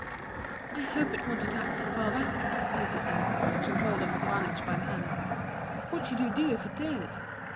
"I hope it won't attack us, father," Peter said, catching hold of Savanich by the hand. "What should you do if it did?"